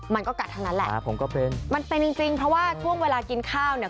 มันก็กัดทั้งนั้นแหละอ่าผมก็เป็นมันเป็นจริงจริงเพราะว่าช่วงเวลากินข้าวเนี่ย